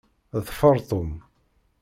Ḍfeṛ Tom!